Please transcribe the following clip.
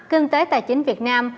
kinh tế tài chính việt nam